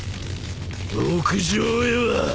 屋上へは。